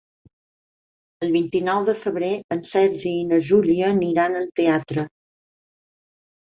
El vint-i-nou de febrer en Sergi i na Júlia aniran al teatre.